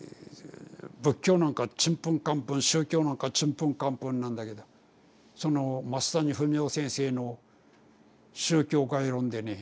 仏教なんかちんぷんかんぷん宗教なんかちんぷんかんぷんなんだけどその増谷文雄先生の宗教概論でね